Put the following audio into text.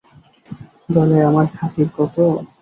দলে আমার খাতির কত!